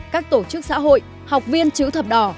các tổ chức xã hội học viên chữ thập đỏ